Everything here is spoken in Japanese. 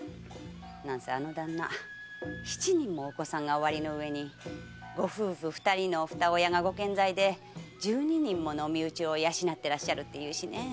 あの旦那は七人もお子さんがおありなのにご夫婦二人の二親がご健在で十二人のお身内を養ってらして。